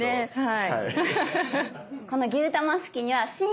はい。